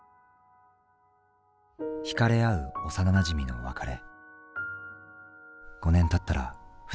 引かれ合う幼なじみの別れ。